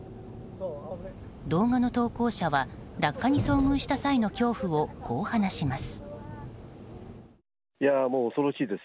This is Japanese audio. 動画の投稿者は落下に遭遇した際の恐怖をこう話します。